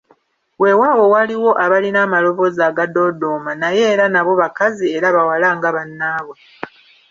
Weewaawo waliwo abalina amaloboozi agadoodooma naye era nabo bakazi era bawala nga bannaabwe.